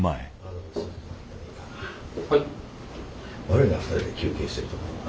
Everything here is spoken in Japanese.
悪いな２人で休憩してるところな。